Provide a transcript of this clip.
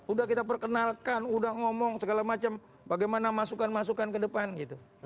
udah kita perkenalkan udah ngomong segala macam bagaimana masukan masukan ke depan gitu